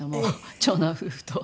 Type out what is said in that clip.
長男夫婦と。